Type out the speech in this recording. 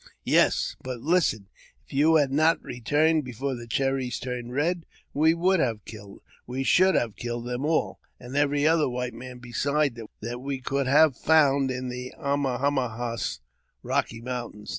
"Yes; but listen: if you had not returned before the cherries turned red, we should have killed them all, and every other white man besides that we could have found in the Am ma ha bas (Eocky Mountains).